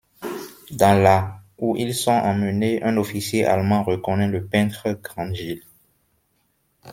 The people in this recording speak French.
Dans la ' où ils sont emmenés, un officier allemand reconnaît le peintre Grandgil.